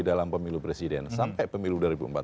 dalam pemilu presiden sampai pemilu dua ribu empat belas